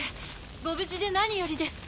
ご無事で何よりです。